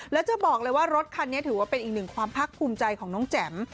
แล้วจะบอกเลยว่ารถคันนี้ถือว่าเป็นอีกหนึ่งความพักภูมิใจของน้องแจ๋ม